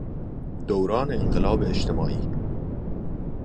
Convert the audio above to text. دوران انقلاب اجتماعی